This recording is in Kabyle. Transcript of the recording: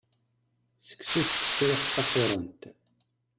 Seksu s tecriḥt taqurant.